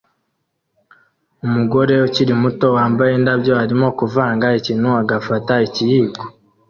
Umugore ukiri muto wambaye indabyo arimo kuvanga ikintu agafata ikiyiko